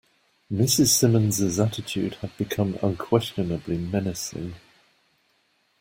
Mrs. Simmons's attitude had become unquestionably menacing.